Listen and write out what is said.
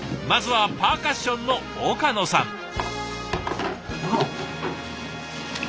まずはパーカッションの岡野さん。